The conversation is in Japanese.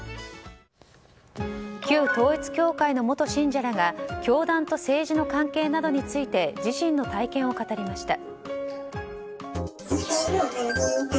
旧統一教会の元信者らが教団と政治の関係などについて自身の体験を語りました。